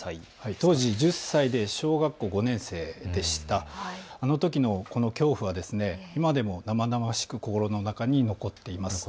当時は１０歳で小学校５年生でしたあのときの恐怖は今でも生々しく心の中に残っています。